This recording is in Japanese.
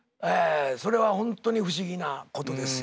それはホントに不思議なことですよ。